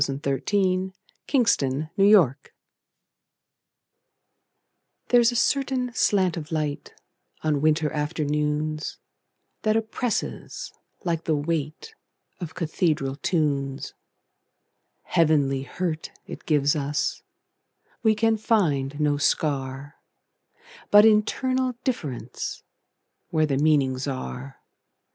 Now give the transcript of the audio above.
1924. Part Two: Nature LXXXII THERE'S a certain slant of light, On winter afternoons, That oppresses, like the weightOf cathedral tunes. Heavenly hurt it gives us; We can find no scar, But internal differenceWhere the meanings are.